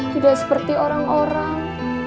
tidak seperti orang orang